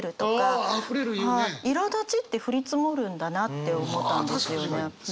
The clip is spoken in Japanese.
「苛立ち」って「降り積もる」んだなって思ったんですよね。